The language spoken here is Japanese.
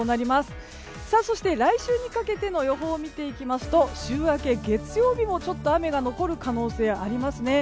そして来週にかけての予報を見ていきますと週明け月曜日も、ちょっと雨が残る可能性ありますね。